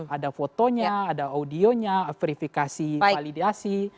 ada fotonya ada audionya verifikasi validasi